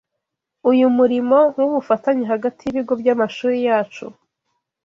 Uyu murimo w’ubufatanye hagati y’ibigo by’amashuri yacu